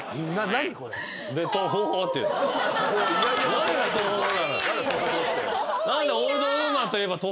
何が「トホホ」なの。